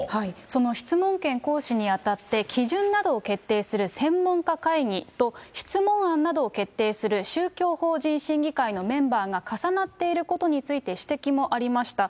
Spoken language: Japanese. その質問権行使にあたって、基準などを決定する専門家会議と、質問案などを決定する宗教法人審議会のメンバーが重なっていることについて、指摘もありました。